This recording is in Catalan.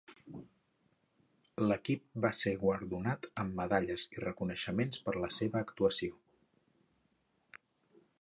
L'equip va ser guardonat amb medalles i reconeixements per la seva actuació.